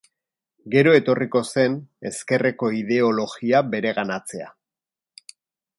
Gero etorriko zen ezkerreko ideologia bereganatzea.